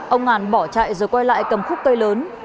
ông ngàn bỏ chạy rồi quay lại cầm khúc cây lớn